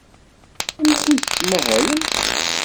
Wukud tettmahalemt?